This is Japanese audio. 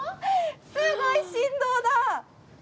すごい振動だ！